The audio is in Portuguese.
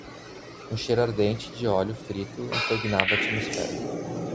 Um cheiro ardente de óleo frito impregnava a atmosfera.